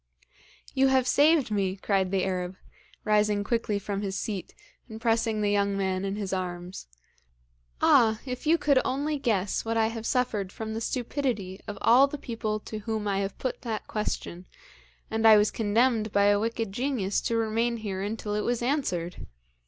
'You have saved me!' cried the Arab, rising quickly from his seat, and pressing the young man in his arms. 'Ah! if you could only guess what I have suffered from the stupidity of all the people to whom I have put that question, and I was condemned by a wicked genius to remain here until it was answered!